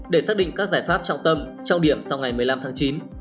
để xác định các giải pháp trong tâm trong điểm sau ngày một mươi năm tháng chín